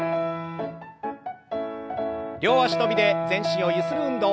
両脚跳びで全身をゆする運動。